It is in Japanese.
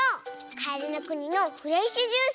カエルのくにのフレッシュジュース。